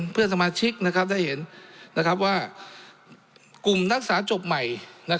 เพื่อนสมาชิกได้เห็นว่ากลุ่มนักศึกษาจบใหม่